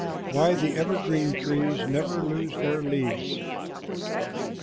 WHY THE EVERGREEN TREES NEVER LOSE THEIR LEAVES.